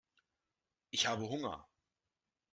Ich habe Hunger.